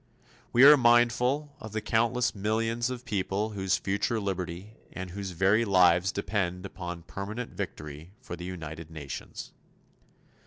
We are mindful of the countless millions of people whose future liberty and whose very lives depend upon permanent victory for the United Nations.